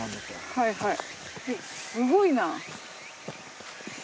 はいはいすごいな。